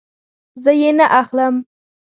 زه یی نه اخلم